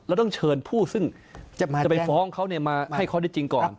แล้วต้องเชิญผู้ซึ่งจะไปฟ้องเขาเนี่ยมาให้เขาได้จริงก่อน